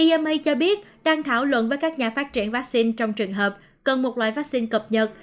ima cho biết đang thảo luận với các nhà phát triển vaccine trong trường hợp cần một loại vaccine cập nhật